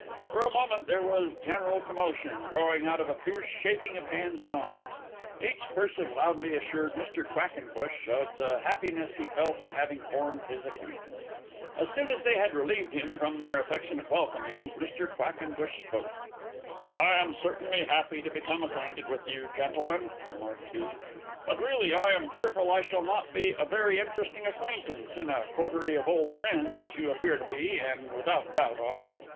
For a moment there was general commotion, growing out of a fierce shaking of hands and arms. Each person loudly assured Mr. Quackenbush of the happiness he felt in having formed his acquaintance. As soon as they had relieved him from their affectionate welcomings Mr. Quackenbush spoke. "I am certainly happy to become acquainted with you, gentlemen," remarked he, "but really I am fearful I shall not be a very interesting acquaintance in a coterie of old friends, as you appear to be, and without doubt are."